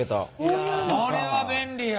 これは便利や。